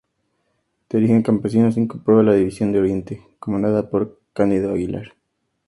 De origen campesino, se incorporó a la División de Oriente, comandada por Cándido Aguilar.